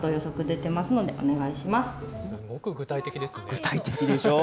具体的でしょう。